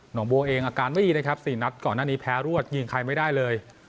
งบัวเองอาการไม่ดีนะครับ๔นัดก่อนหน้านี้แพ้รวดยิงใครไม่ได้เลย